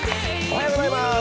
おはようございます。